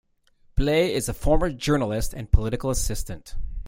Blais is a former journalist and political assistant.